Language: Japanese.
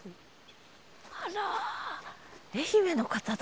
あら愛媛の方だろうか。